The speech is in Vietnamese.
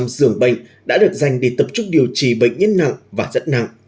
năm trăm linh giường bệnh đã được dành để tập trung điều trị bệnh nhân nặng và rất nặng